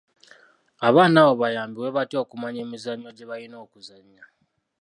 Abaana abo bayambibwe batya okumanya emizannyo gye balina okuzannya.